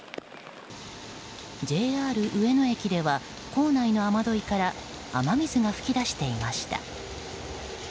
ＪＲ上野駅では構内の雨どいから雨水が噴き出していました。